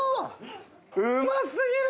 うますぎる！